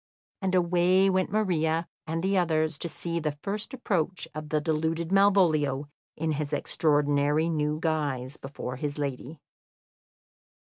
And away went Maria and the others to see the first approach of the deluded Malvolio in his extraordinary new guise before his lady.